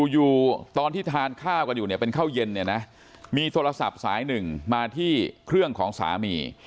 อยู่ตอนที่ทานข้าวกันอยู่เนี่ยเป็นข้าวเย็นเนี่ยนะมีโทรศัพท์สายหนึ่งมาที่เครื่องของสามี